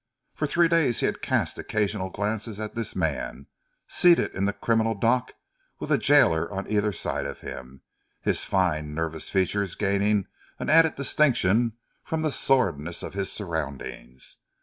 For three days he had cast occasional glances at this man, seated in the criminal dock with a gaoler on either side of him, his fine, nervous features gaining an added distinction from the sordidness of his surroundings.